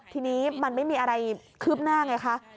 ทีนี้มันไม่มีอะไรคืบหน้าไงคะ